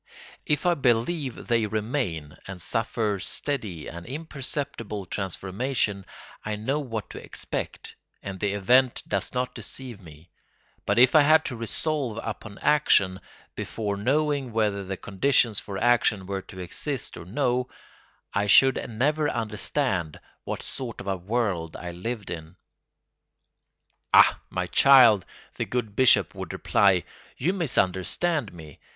If I believe they remain and suffer steady and imperceptible transformation, I know what to expect, and the event does not deceive me; but if I had to resolve upon action before knowing whether the conditions for action were to exist or no, I should never understand what sort of a world I lived in." "Ah, my child," the good Bishop would reply, "you misunderstand me.